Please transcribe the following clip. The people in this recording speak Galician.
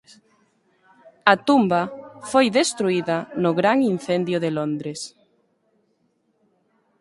A tumba foi destruída no Gran Incendio de Londres.